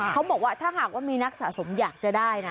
ครูบอกว่าหากว่าฮามีนักสะสมอยากได้นะ